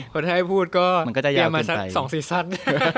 คนให้พูดก็เปลี่ยนมาสองสี่สัตว์